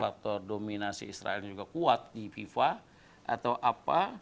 faktor dominasi israel juga kuat di fifa atau apa